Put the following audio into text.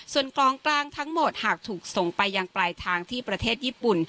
ส่วนกองกลางทั้งหมดหากถูกส่งไปยังปลายทางที่ประเทศญี่ปุ่น